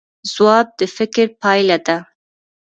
ځواب د فکر پایله ده